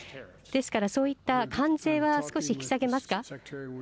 ですからそういった関税は少し引き下げますか。